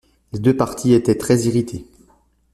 Les deux partis étaient très-irrités.